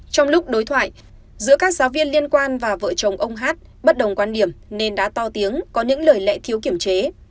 trong lúc đối thoại giữa các giáo viên liên quan và vợ chồng ông hát bất đồng quan điểm nên đã to tiếng có những lời lệ thiếu kiểm chế